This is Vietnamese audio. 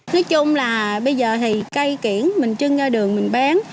nói chung là bây giờ thì cây kiển mình chưng ra đường mình bán